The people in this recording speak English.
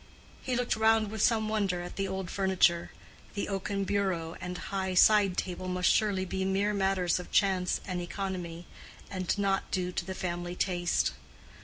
He looked round with some wonder at the old furniture: the oaken bureau and high side table must surely be mere matters of chance and economy, and not due to the family taste.